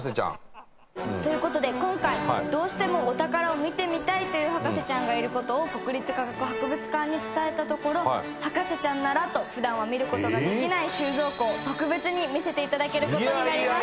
芦田：という事で今回どうしてもお宝を見てみたいという博士ちゃんがいる事を国立科学博物館に伝えたところ『博士ちゃん』ならと普段は見る事ができない収蔵庫を特別に見せていただける事になりました。